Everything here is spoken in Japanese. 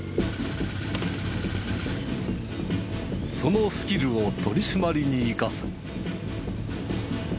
そのスキルを取り締まりに生かす。